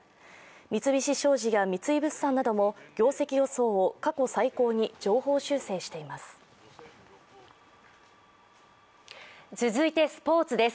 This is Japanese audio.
三菱商事や三井物産なども業績予想を過去最高に上方修正しています。